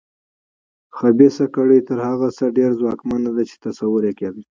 خبیثه کړۍ تر هغه څه ډېره ځواکمنه ده چې تصور یې کېده.